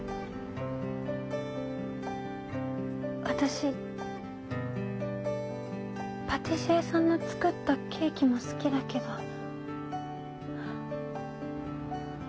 私パティシエさんの作ったケーキも好きだけど。